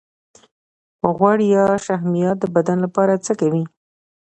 غوړ یا شحمیات د بدن لپاره څه کوي